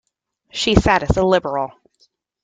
She sat as a Liberal.